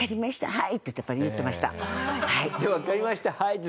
はい」ってやっぱり言ってました。